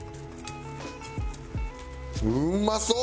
うまそう！